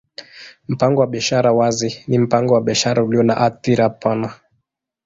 Mpango wa biashara wazi ni mpango wa biashara ulio na hadhira pana.